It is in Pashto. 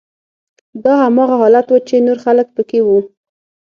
دا هماغه حالت و چې نور خلک پکې وو